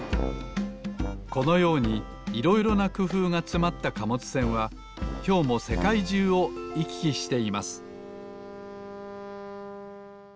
このようにいろいろなくふうがつまった貨物船はきょうもせかいじゅうをいききしています